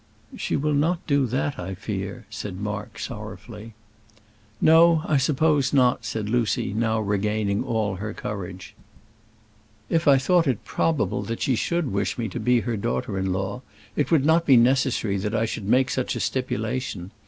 "She will not do that, I fear," said Mark, sorrowfully. "No; I suppose not," said Lucy, now regaining all her courage. "If I thought it probable that she should wish me to be her daughter in law, it would not be necessary that I should make such a stipulation.